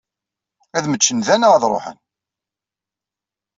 Ad mmeččen da neɣ ad ṛuḥen?